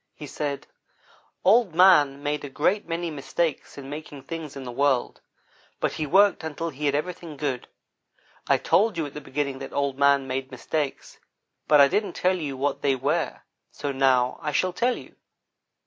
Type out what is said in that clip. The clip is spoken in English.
He said: "Old man made a great many mistakes in making things in the world, but he worked until he had everything good. I told you at the beginning that Old man made mistakes, but I didn't tell you what they were, so now I shall tell you.